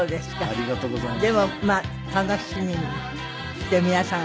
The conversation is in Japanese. ありがとうございます。